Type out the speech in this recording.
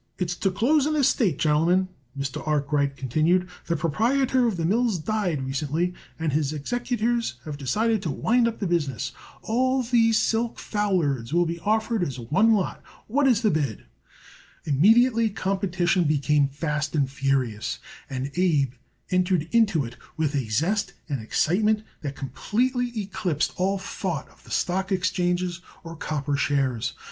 "It's to close an estate, gentlemen," Mr. Arkwright continued. "The proprietor of the mills died recently, and his executors have decided to wind up the business. All these silk foulards will be offered as one lot. What is the bid?" Immediately competition became fast and furious, and Abe entered into it with a zest and excitement that completely eclipsed all thought of stock exchanges or copper shares.